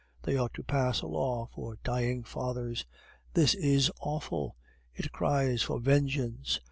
They ought to pass a law for dying fathers. This is awful! It cries for vengeance!